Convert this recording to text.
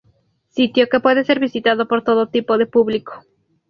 Sitio que puede ser visitado por todo tipo de público.